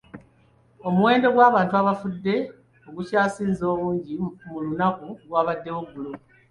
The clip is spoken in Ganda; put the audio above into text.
Omuwendo gw'abantu abafudde ogukyasinze obungi mu lunaku gwabaddewo ggulo.